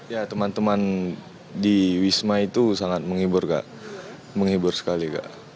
ya teman teman di wisma itu sangat menghibur kak menghibur sekali kak